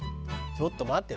ちょっと待って。